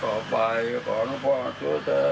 ขอพ่อต่อไปขอพ่อโสธร